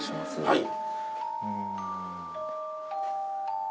はい！